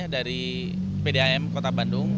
dari pdam kota bandung